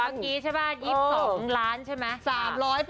กี้ใช่ป่ะ๒๒ล้านใช่ไหม